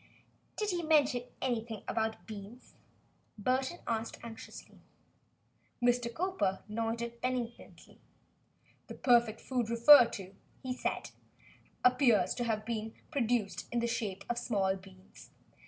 "Does he mention anything about beans?" Burton asked anxiously. Mr. Cowper nodded benignantly. "The perfect food referred to," he said, "appears to have been produced in the shape of small beans.